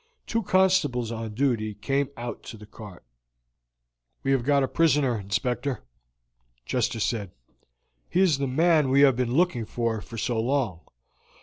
Two constables on duty came out to the cart. "We have got a prisoner, Inspector," Chester said. "He is the man we have been looking for so long.